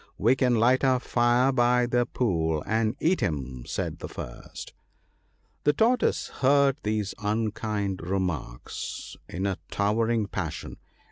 " We can light a fire by the pool, and eat him," said the first. ' The Tortoise heard these unkind remarks in a towering passion.